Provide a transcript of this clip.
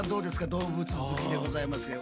動物好きでございますけど。